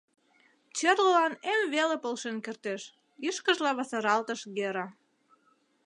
«Черлылан эм веле полшен кертеш», — ӱшкыжла васаралтыш Гера.